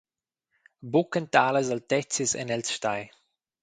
Buc en talas altezias ein els stai.